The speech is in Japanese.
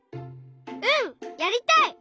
うんやりたい！